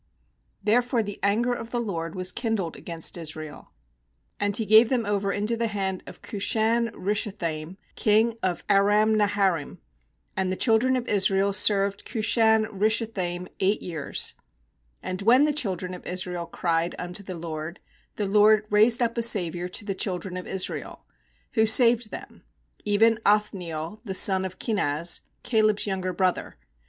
therefore the anger of the LORD was kindled against Israel, and He gave them over into the hand of Cushan rishathaim king of Aram naharaim; and the children of Is rael served Cushan rishathaim eight years* 9And when the children of Israel cried unto the LORD, the LORD raised up a saviour to the children of Israel, who saved them, even Othniel the son of Kenaz, Caleb's younger brother.